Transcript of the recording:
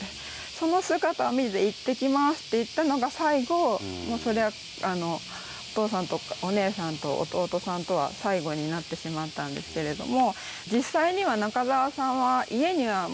その姿を見ていってきますと言ったのが最後お父さんとお姉さんと弟さんとは最後になってしまったんですけれども。